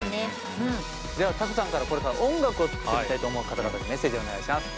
ではＴＡＫＵさんからこれから音楽を作ってみたいと思う方々にメッセージをお願いします。